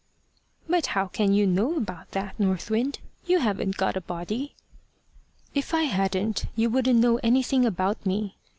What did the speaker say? "But how can you know about that, North Wind? You haven't got a body." "If I hadn't you wouldn't know anything about me.